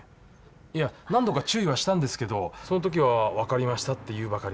いや何度か注意はしたんですけどその時は「分かりました」って言うばかりで。